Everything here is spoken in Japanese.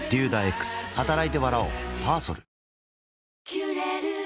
「キュレル」